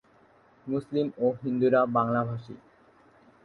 মুসলিম ও হিন্দুরা বাংলাভাষী।